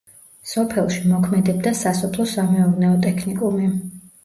სოფელში მოქმედებდა სასოფლო-სამეურნეო ტექნიკუმი.